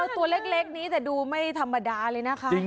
ตัวเล็กนี้แต่ดูไม่ธรรมดาเลยนะคะ